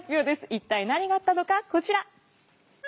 一体何があったのかこちら。